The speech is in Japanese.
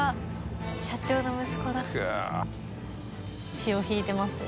血を引いてますね。